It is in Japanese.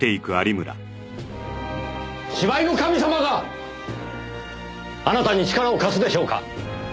芝居の神様があなたに力を貸すでしょうか？